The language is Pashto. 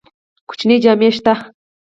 کوچنی جامی شته؟